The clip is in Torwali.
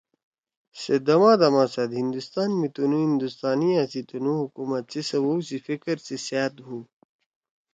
سے دما دما سیت ہندوستان می تنُو ہندوستانیا سی تنُو حکومت سی سوَؤ سی فکر سی سأت ہُو